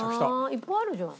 いっぱいあるじゃん。